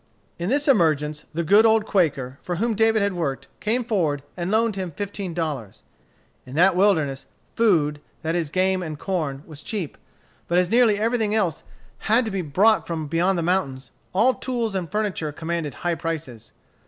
In this emergence the good old Quaker, for whom David had worked, came forward, and loaned him fifteen dollars. In that wilderness, food, that is game and corn, was cheap. But as nearly everything else had to be brought from beyond the mountains, all tools and furniture commanded high prices.